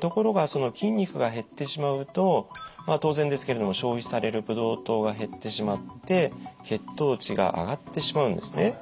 ところがその筋肉が減ってしまうと当然ですけれども消費されるブドウ糖が減ってしまって血糖値が上がってしまうんですね。